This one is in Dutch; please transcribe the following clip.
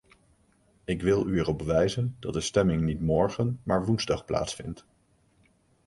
Ik wil u er op wijzen dat de stemming niet morgen, maar woensdag plaatsvindt.